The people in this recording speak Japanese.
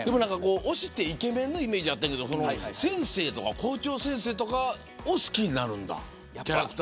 推しってイケメンのイメージあったけど先生とか校長先生とかを好きになるんだ。